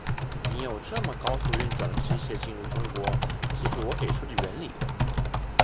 你有这么高速运转的机械进入中国，记住我给出的原理。